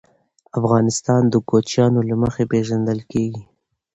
افغانستان د کوچیانو له مخې پېژندل کېږي.